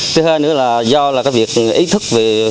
thứ hai nữa là do việc ý thức về